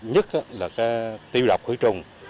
nhất là tiêu độc khởi trùng